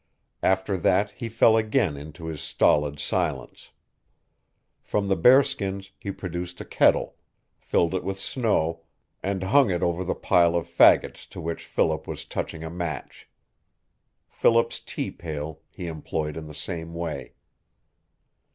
After that he fell again into his stolid silence. From the bear skins he produced a kettle, filled it with snow, and hung it over the pile of fagots to which Philip was touching a match. Philip's tea pail he employed in the same way.